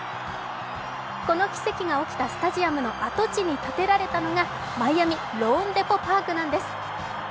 この奇跡が起きたスタジアムの跡地に建てられたのがマイアミローンデポ・パークなんです。